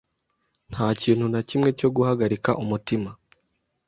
Ntakintu nakimwe cyo guhagarika umutima.